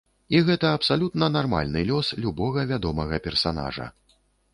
І гэта абсалютна нармальны лёс любога вядомага персанажа.